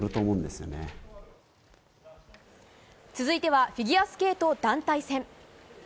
続いてはフィギュアスケート団体戦。